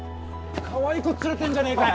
かわいい子連れてんじゃねえかよ。